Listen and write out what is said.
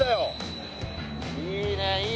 いいねいいね。